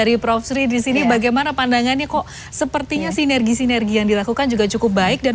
istri disini bagaimana pandangannya kok sepertinya sinergi sinergi yang dilakukan juga cukup baik dan